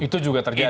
itu juga terjadi